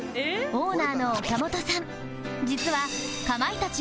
オーナーの岡本さん